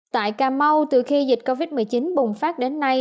tại cà mau từ khi dịch covid một mươi chín bùng phát đến nay